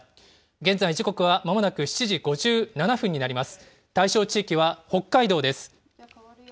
現在、時刻はまもなく７時５７分になります。